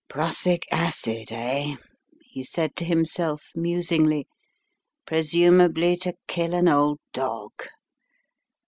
Prussic acid, eh?" he said to himself, musingly, presumably to kill an old dog.